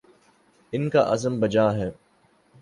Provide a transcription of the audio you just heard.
ان کا عزم بجا ہے۔